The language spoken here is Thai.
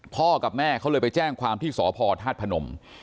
พ่อกับแม่เขาเลยไปแจ้งความที่สพธผนม